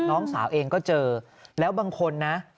น้องสาวเองก็เจอแล้วบางคนนะ